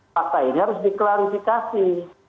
fakta ini harus diklarifikasi